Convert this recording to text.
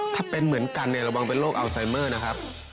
ถ้าเป็นเหมือนกันเนี่ยระวังเป็นโรคอัลไซเมอร์นะครับ